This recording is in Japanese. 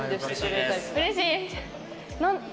うれしい？